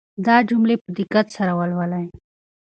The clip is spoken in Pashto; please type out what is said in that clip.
دا جملې په دقت سره ولولئ.